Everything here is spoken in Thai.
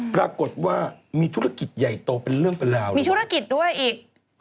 ปรากฏว่ามีธุรกิจใหญ่โตเป็นเรื่องเป็นราวมีธุรกิจด้วยอีก